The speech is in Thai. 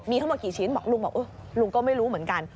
มีทั้งหมดกี่ชิ้นบอกลุงบอกลุงก็ไม่รู้เหมือนกัน